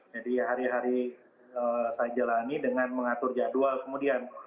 jadi hari hari saya jalani dengan mengatur jadwal kemudian